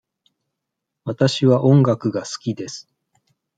わたしは音楽がすきです。